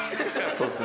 そうですね